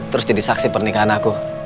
terus jadi saksi pernikahan aku